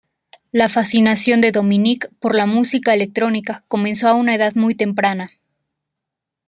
La fascinación de Dominik por la música electrónica comenzó a una edad muy temprana.